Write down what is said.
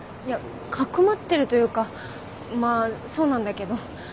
いやかくまってるというかまぁそうなんだけど。